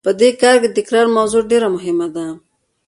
په دې کار کې د تکرار موضوع ډېره مهمه ده.